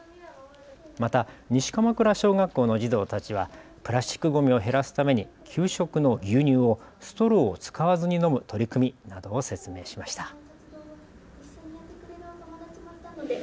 また、西鎌倉小学校の児童たちはプラスチックごみを減らすために給食の牛乳をストローを使わずに飲む取り組みなどを説明しました。